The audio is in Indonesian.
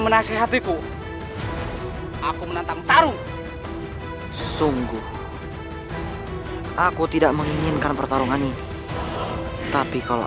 menasihatiku aku menantang taru sungguh aku tidak menginginkan pertarungan ini tapi kalau